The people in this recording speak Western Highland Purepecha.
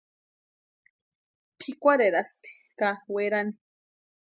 Pʼikwarherasti ka werani.